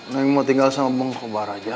neng mau tinggal sama om kobar aja